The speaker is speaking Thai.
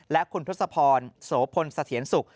และคุณทศพรโสพลเสถียรสุข